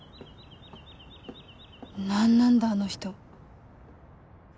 何なんだあの人。